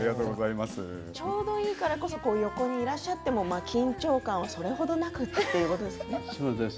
ちょうどだからこそ、横にいらっしゃっても緊張感はそれほどなくということですね。